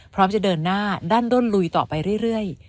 พร้อมจะเดินหน้าด้านด้นลุยต่อไปเรื่อย